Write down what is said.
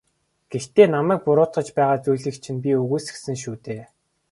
Гэхдээ намайг буруутгаж байгаа зүйлийг чинь би үгүйсгэсэн шүү дээ.